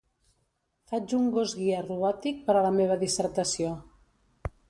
Faig un gos guia robòtic per a la meva dissertació.